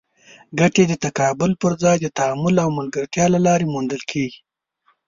ګټې د تقابل پر ځای د تعامل او ملګرتیا له لارې موندل کېږي.